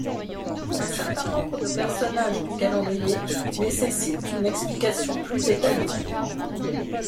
Un certain nombre de personnages du calendrier nécessitent une explication plus détaillée.